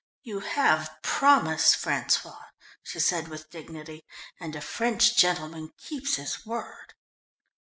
"You have promised, François," she said with dignity, "and a French gentleman keeps his word."